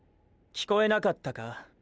聞こえなかったか？